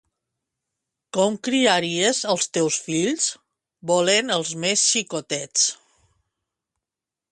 —Com criaries els teus fills? —Volent els més xicotets.